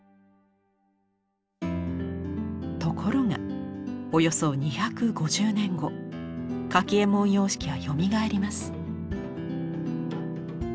ところがおよそ２５０年後柿右衛門様式はよみがえります。